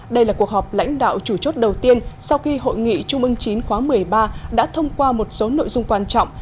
đây là cuộc họp lãnh đạo chủ chốt đầu tiên sau khi hội nghị trung ương chín khóa một mươi ba đã thông qua một số nội dung quan trọng